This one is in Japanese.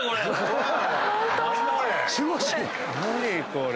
何だ⁉これ！